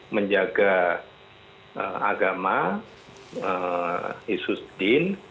menjaga agama isus din